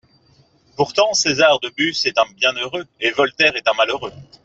Pourtant César de Bus est un bienheureux et Voltaire est un malheureux.